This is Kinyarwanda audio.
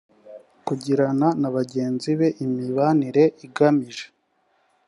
kugirana na bagenzi be imibanire igamije